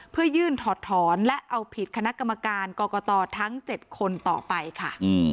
เพื่อยื่นถอดถอนและเอาผิดคณะกรรมการกรกตทั้ง๗คนต่อไปค่ะ